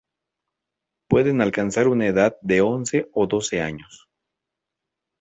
Pueden alcanzar una edad de once o doce años.